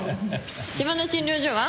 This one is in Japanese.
島の診療所は？